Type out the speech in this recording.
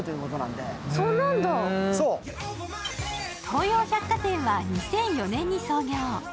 東洋百貨店は２００４年に創業。